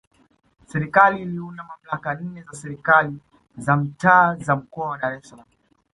Serikali iliunda mamlaka nne za Serikali za Mitaa za Mkoa wa Dar es Salaam